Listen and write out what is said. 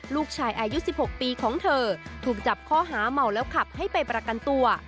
ลูกชายอายุ๑๖ปีของเธอถูกจับข้อหาเมาแล้วขับให้ไปประกันตัว